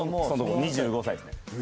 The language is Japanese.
その２５歳ですね。